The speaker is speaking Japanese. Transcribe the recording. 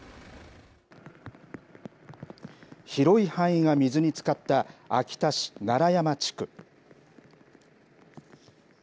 広い範囲が水につかった秋田市楢山地区。